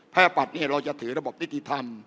พระอุตวัฒนธรรมเนี่ยเราจะถือระบบนิติธรรม